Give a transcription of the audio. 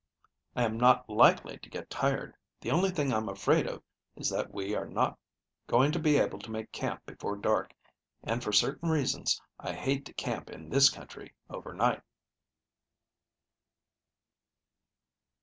"I am not likely to get tired. The only thing I'm afraid of is that we are not going to be able to make camp before dark, and, for certain reasons, I hate to camp in this country overnight."